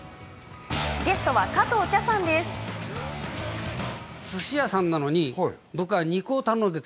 ゲストは加藤茶さんです。